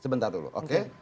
sebentar dulu oke